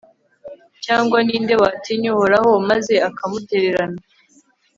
cyangwa ni nde watinye uhoraho maze akamutererana